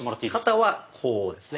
肩はこうですね。